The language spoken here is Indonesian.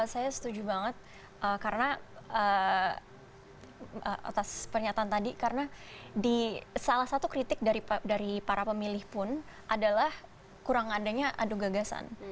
saya setuju banget karena atas pernyataan tadi karena di salah satu kritik dari para pemilih pun adalah kurang adanya adu gagasan